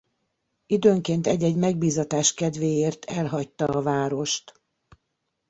Időnként egy-egy megbízatás kedvéért elhagyta a várost.